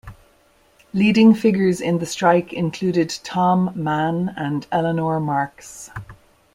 Leading figures in the strike included Tom Mann and Eleanor Marx.